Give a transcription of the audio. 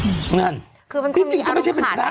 มันนก็ไม่ใช่พระพระหลัก